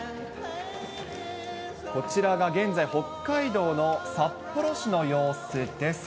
こちらが現在、北海道の札幌市の様子です。